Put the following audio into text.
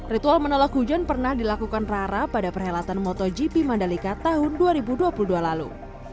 ritual menolak hujan pernah dilakukan rara pada perhelatan motogp mandalika tahun dua ribu dua puluh dua lalu